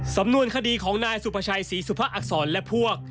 สำนวนคดีของนายสุภาชัยศรีสุภาอักษรและพวก